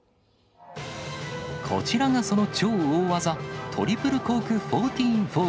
こちらがその超大技、トリプルコーク１４４０。